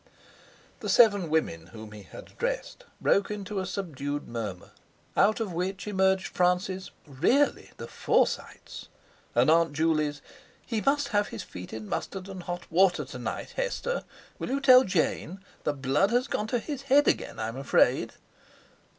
The seven women whom he had addressed broke into a subdued murmur, out of which emerged Francie's, "Really, the Forsytes!" and Aunt Juley's: "He must have his feet in mustard and hot water to night, Hester; will you tell Jane? The blood has gone to his head again, I'm afraid...."